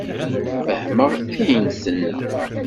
Fehmeɣ ayen d-tenna.